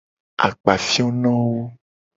Akpafionowo.